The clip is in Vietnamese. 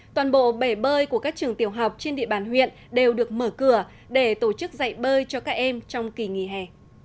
toàn bộ bể bơi của các trường tiểu học trên địa bàn huyện đều được mở cửa để tổ chức dạy bơi cho các em trong kỳ nghỉ hè